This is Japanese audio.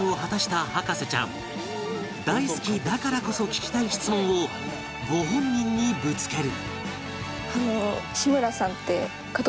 大好きだからこそ聞きたい質問をご本人にぶつける